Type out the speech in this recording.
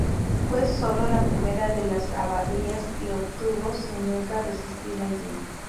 Fue sólo la primera de las abadías que obtuvo, sin nunca residir allí.